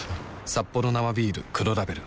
「サッポロ生ビール黒ラベル」